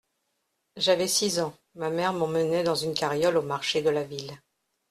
J'avais six ans, ma mère m'emmenait dans une carriole au marché de la ville.